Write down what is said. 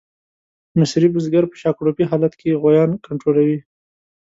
مصري بزګر په شاکړوپي حالت کې غویان کنټرولوي.